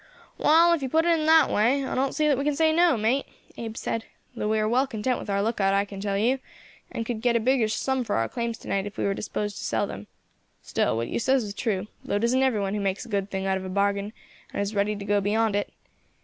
"Wall, if you put it in that way, I don't see that we can say no, mate," Abe said, "though we are well content with our look out, I can tell you, and could get a biggish sum for our claims to night if we were disposed to sell them. Still, what you says is true, though it isn't every one who makes a good thing out of a bargain as is ready to go beyond it.